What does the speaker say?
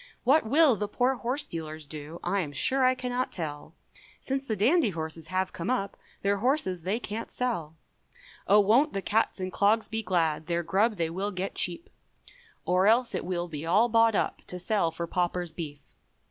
What will the poor horse dealers do, I am sure I cannot tell, Since the dandy horses have come up Their horses they can't sell; Oh, won't the cats and clogs be glad, Their grub they will get cheap, Or else it will be all bought up To sell for Paupers' beef.